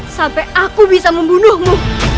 sampai aku bisa membunuhmu